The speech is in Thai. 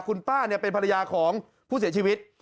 คุณป้าเป็นภรรยาของผู้เสียชีวิต